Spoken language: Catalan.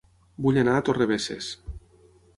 Vull anar a Torrebesses